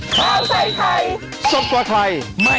ก็ได้ก็ได้